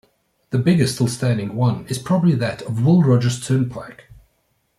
The biggest still standing one is probably that at Will Rogers Turnpike.